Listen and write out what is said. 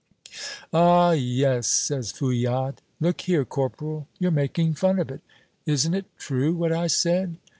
'" "Ah, yes!" says Fouillade. "Look here, corporal; you're making fun of it isn't it true what I said?"